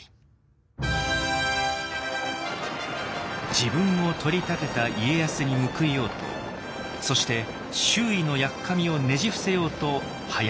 自分を取り立てた家康に報いようとそして周囲のやっかみをねじ伏せようとはやる直政。